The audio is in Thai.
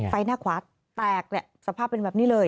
ไฟหน้าขวาแตกเนี่ยสภาพเป็นแบบนี้เลย